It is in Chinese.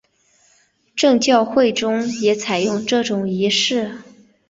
正教会中也采用这种仪式。